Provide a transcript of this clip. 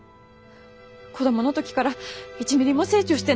子供の時から１ミリも成長してない。